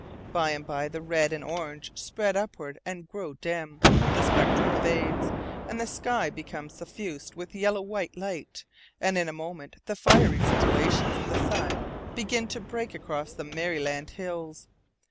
By and by the red and orange spread upward and grow dim, the spectrum fades, and the sky becomes suffused with yellow white light, and in a moment the fiery scintillations of the sun begin to break across the Maryland hills.